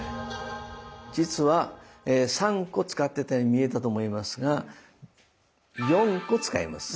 実は３個使ってたように見えたと思いますが４個使います。